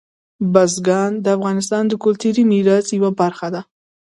بزګان د افغانستان د کلتوري میراث یوه برخه ده.